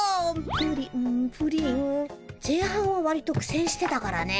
「プリンプリン」前半はわりと苦せんしてたからね。